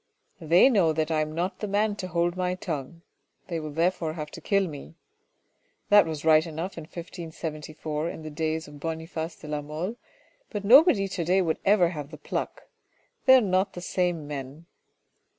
They know that I am not the man to hold my tongue. They will therefore have to kill me. That was right enough in 1574 in the days of Boniface de la Mole, but nobody to day would ever have the pluck. They are not the same men.